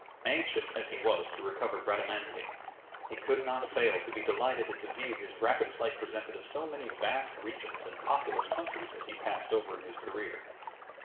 Anxious as he was to recover Bradamante, he could not fail to be delighted at the view his rapid flight presented of so many vast regions and populous countries as he passed over in his career.